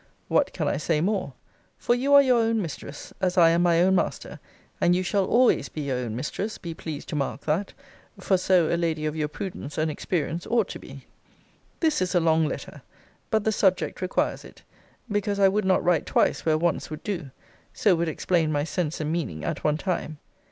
What can I say more? for you are your own mistress, as I am my own master: and you shall always be your own mistress, be pleased to mark that; for so a lady of your prudence and experience ought to be. This is a long letter. But the subject requires it; because I would not write twice where once would do. So would explain my sense and meaning at one time.